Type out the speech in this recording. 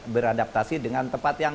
beradaptasi dengan tempat yang